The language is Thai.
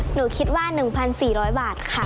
หนูคิดว่า๑๔๐๐บาทค่ะ